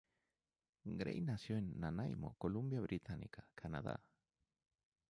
Grey nació en Nanaimo, Columbia Británica, Canadá.